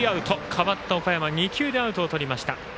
代わった岡山２球でアウトをとりました。